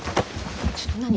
ちょっと何！？